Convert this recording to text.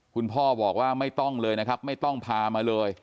คุณพ่อบอกว่าไม่ต้องเลยนะครับไม่ต้องพามาเลย